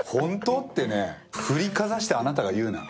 ってね、振りかざしたあなたが言うな。